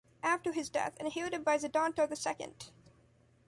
After his death, inherited by Zidanta II.